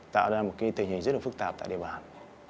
tạo ra một cái tình hình rất là phức tạp tại địa bàn